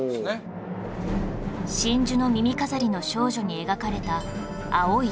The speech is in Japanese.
『真珠の耳飾りの少女』に描かれた